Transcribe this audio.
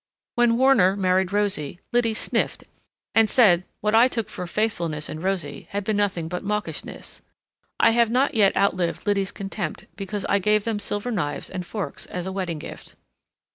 When Warner married Rosie, Liddy sniffed and said what I took for faithfulness in Rosie had been nothing but mawkishness. I have not yet outlived Liddy's contempt because I gave them silver knives and forks as a wedding gift.